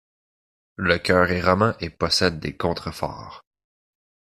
Le chœur est roman et possède des contreforts.